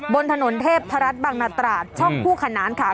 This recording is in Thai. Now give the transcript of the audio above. บนถนนเทพธรรมบังนาตราชช่องภูขนานค่ะ